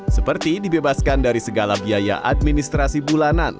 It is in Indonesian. seperti dibebaskan dari segala biaya administrasi bulanan